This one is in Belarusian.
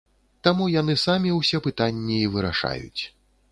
Таму яны самі ўсе пытанні і вырашаюць.